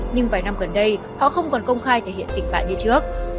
nhưng vài năm gần đây họ không còn công khai thể hiện tình trạng như trước